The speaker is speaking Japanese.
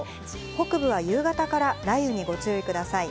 北部は夕方から雷雨にご注意ください。